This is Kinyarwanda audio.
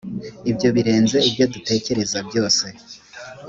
ibyo birenze ibyo dutekereza byose